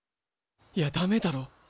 いやダメだろ！